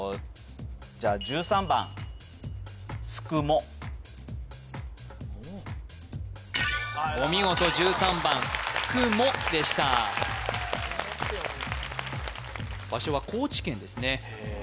じゃあお見事１３番すくもでした場所は高知県ですね